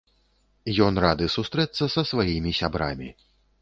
Ён рады сустрэцца са сваімі сябрамі.